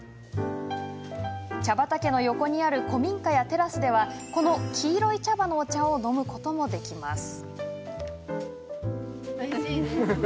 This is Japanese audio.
茶畑の横にある古民家やテラスではこの黄色い茶葉のお茶を飲むこともできます。